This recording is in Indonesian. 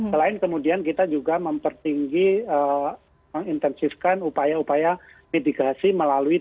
selain kemudian kita juga mempertinggi mengintensifkan upaya upaya mitigasi melalui tiga t saat ini di provinsi provinsi prioritas terutama di jawa bali